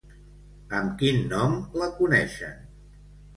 Amb quin nom la coneixen?